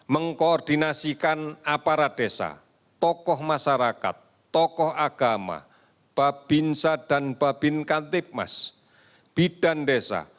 mengkoordinasikan aparat desa tokoh masyarakat tokoh agama babinsa dan babin kantipmas bidan desa